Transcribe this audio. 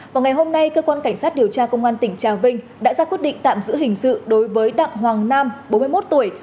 vào ngày hôm nay cơ quan cảnh sát điều tra công an tỉnh trà vinh đã ra quyết định tạm giữ hình sự đối với đặng hoàng nam bốn mươi một tuổi